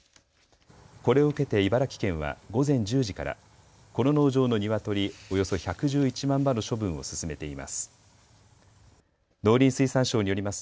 これを受けて茨城県は午前１０時からこの農場のニワトリおよそ１１１万羽の処分を進めています。